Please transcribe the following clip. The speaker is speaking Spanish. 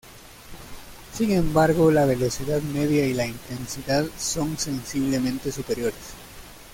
Sin embargo, la velocidad media y la intensidad son sensiblemente superiores.